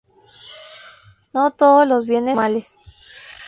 No todos los bienes son "normales".